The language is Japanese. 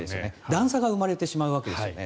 段差が生まれてしまうわけですよね。